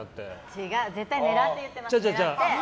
違う、絶対狙って言ってます。